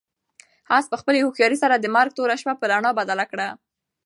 آس په خپلې هوښیارۍ سره د مرګ توره شپه په رڼا بدله کړه.